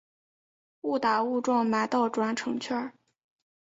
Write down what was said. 误打误撞买到转乘券